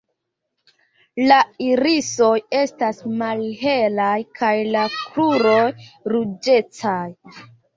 La irisoj estas malhelaj kaj la kruroj ruĝecaj.